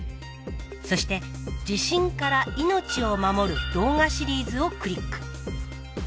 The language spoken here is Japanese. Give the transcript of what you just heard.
そして「地震から命を守る動画シリーズ」をクリック。